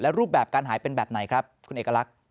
รูปแบบการหายเป็นแบบไหนครับคุณเอกลักษณ์